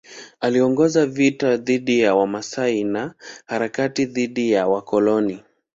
Aliongoza vita dhidi ya Wamasai na harakati dhidi ya wakoloni.